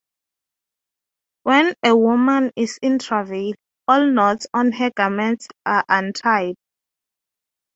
When a woman is in travail, all knots on her garments are untied.